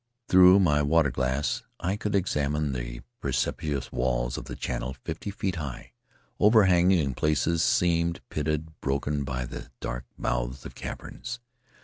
Through my water glass I could examine the precipitous walls of the channel — fifty feet high, overhanging in places, seamed, pitted, broken by the dark mouths of caverns.